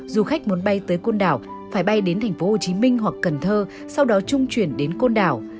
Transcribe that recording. du khách muốn bay tới côn đảo phải bay đến tp hcm hoặc cần thơ sau đó trung chuyển đến côn đảo